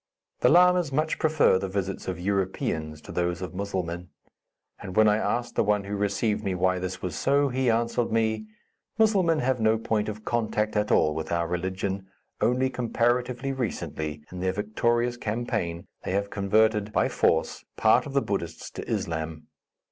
The lamas much prefer the visits of Europeans to those of Musselmen, and when I asked the one who received me why this was so, he answered me: "Musselmen have no point of contact at all with our religion. Only comparatively recently, in their victorious campaign, they have converted, by force, part of the Buddhists to Islam.